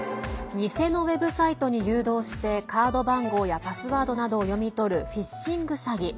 偽のウェブサイトに誘導して、カード番号やパスワードなどを読み取るフィッシング詐欺。